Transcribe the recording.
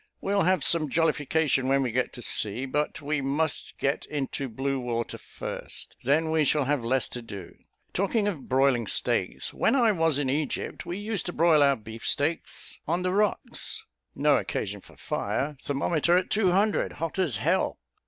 We'll have some jollification when we get to sea; but we must get into blue water first: then we shall have less to do. Talking of broiling steaks, when I was in Egypt, we used to broil our beef steaks on the rocks no occasion for fire thermometer at 200 hot as h l!